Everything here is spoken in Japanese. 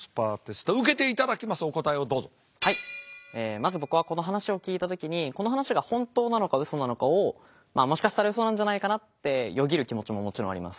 まず僕はこの話を聞いた時にこの話が本当なのかウソなのかをもしかしたらウソなんじゃないかなってよぎる気持ちももちろんあります。